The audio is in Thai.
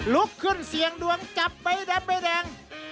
ลุกขึ้นเสี่ยงดวงจับใบดำใบแดง